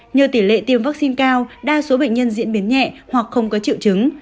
nhờ tỷ lệ tiêm vaccine cao đa số bệnh nhân diễn biến nhẹ hoặc không có triệu chứng